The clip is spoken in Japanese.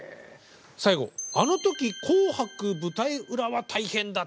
最後「あのとき紅白舞台裏はタイヘンだった」。